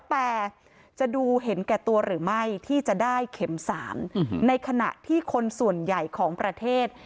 แต่จะดูเห็นแก่ตัวหรือไม่ที่จะได้เข็ม๓ในขณะที่คนส่วนใหญ่ของประเทศ